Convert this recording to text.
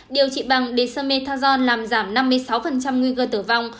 điều trị bằng dexamethasone làm giảm năm mươi sáu nguy cơ tử vong